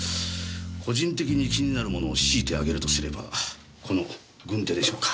個人的に気になるものを強いて挙げるとすればこの軍手でしょうか。